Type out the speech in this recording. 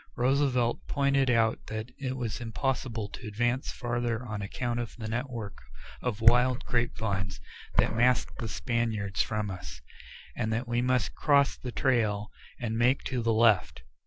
Roosevelt pointed out that it was impossible to advance farther on account of the network of wild grape vines that masked the Spaniards from us, and that we must cross the trail and make to the left.